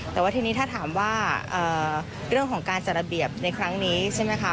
แต่ว่าทีนี้ถ้าถามว่าเรื่องของการจัดระเบียบในครั้งนี้ใช่ไหมคะ